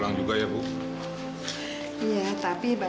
ada apa pak